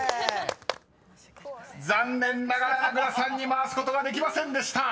［残念ながら名倉さんに回すことができませんでした］